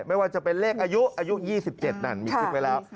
ไม่ว่าจะเป็นเลขอายุอายุ๒๗นั่นมีคลิปไว้แล้ว